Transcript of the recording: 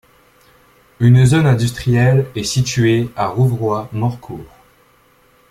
Une zone industrielle est située à Rouvroy-Morcourt.